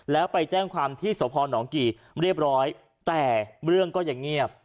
แล้วไปแจ้งความที่สพนกี่เรียบร้อยแต่เรื่องก็ยังเงียบ